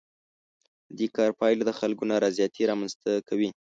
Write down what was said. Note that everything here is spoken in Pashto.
د دې کار پایله د خلکو نارضایتي رامنځ ته کوي.